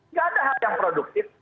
nggak ada hal yang produktif